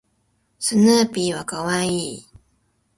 スヌーピーは可愛い